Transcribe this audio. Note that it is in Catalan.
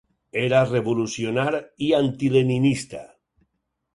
Era revolucionar i antileninista.